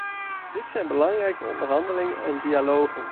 Dit zijn belangrijke onderhandelingen en dialogen.